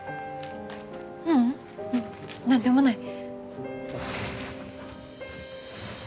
ううん何でもない。